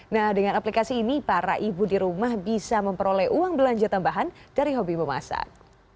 nah dengan aplikasi ini para ibu di rumah bisa memperoleh uang belanja tambahan dari hobi memasak